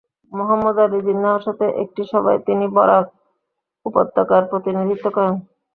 মহম্মদ আলী জিন্নাহর সাথে একটি সভায় তিনি বরাক উপত্যকার প্রতিনিধিত্ব করেন।